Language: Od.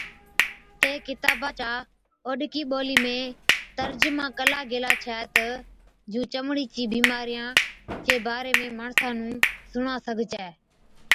اي ڪِتابا چا اوڏڪِي ٻولِي ۾ ترجما ڪلا گيلا ڇَي تہ جُون چمڙي چي بِيمارِيان چي باري ۾ ماڻسان نُون سُڻا سِگھجَي